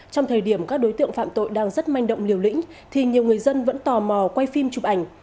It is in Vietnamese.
trong thời điểm các đối tượng phạm tội đang rất manh động liều lĩnh thì nhiều người dân vẫn tò mò quay phim chụp ảnh